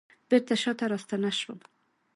بیرته شاته راستنه شوم